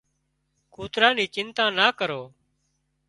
ڪُوترا نِي چنتا نا ڪرو